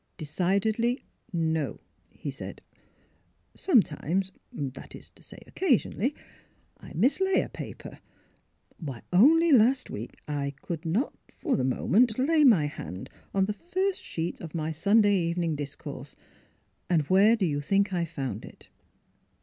"Decidedly — no!" he said. "Sometimes — that is to say, occasionally — I mislay a paper. Why, only last week I could not, for the moment, lay my hand on the first sheet of my Sunday even ing discourse. And where do you think I found it?